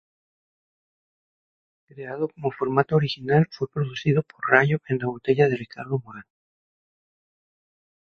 Creado como formato original, fue producido por Rayo en la botella de Ricardo Morán.